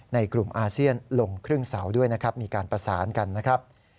ในกลุ่มอาเซียนลงครึ่งเสาด้วยนะครับมีการประสานกันนะครับ